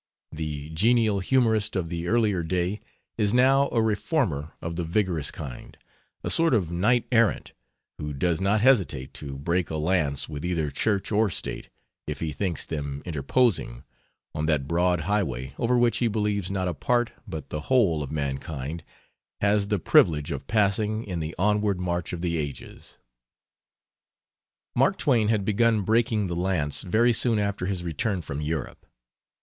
The genial humorist of the earlier day is now a reformer of the vigorous kind, a sort of knight errant who does not hesitate to break a lance with either Church or State if he thinks them interposing on that broad highway over which he believes not a part but the whole of mankind has the privilege of passing in the onward march of the ages." Mark Twain had begun "breaking the lance" very soon after his return from Europe.